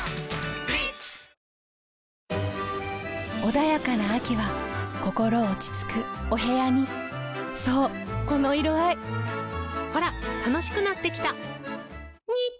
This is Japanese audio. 穏やかな秋は心落ち着くお部屋にそうこの色合いほら楽しくなってきた！